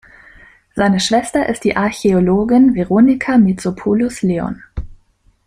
Seine Schwester ist die Archäologin Veronika Mitsopoulos-Leon.